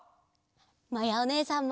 まやおねえさんも！